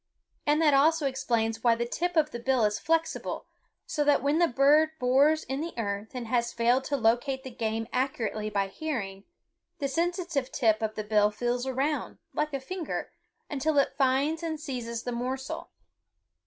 And that also explains why the tip of the bill is flexible, so that when the bird bores in the earth and has failed to locate the game accurately by hearing, the sensitive tip of the bill feels around, like a finger, until it finds and seizes the morsel.